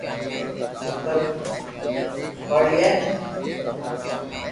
ڪيڪر ڀرئي